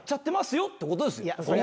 よってことですよ。